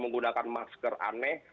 menggunakan masker aneh